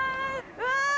うわ！